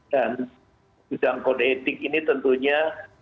dan gudang kode etik ini tentunya